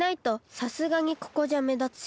さすがにここじゃめだつし。